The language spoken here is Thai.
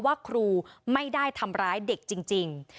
ว่าครูไม่ได้ทำร้ายเด็กจริง